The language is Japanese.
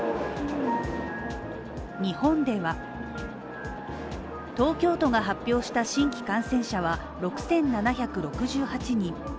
日本では東京都が発表した新規感染者は６７６８人。